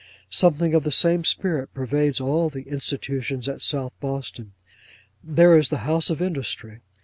Something of the same spirit pervades all the Institutions at South Boston. There is the House of Industry.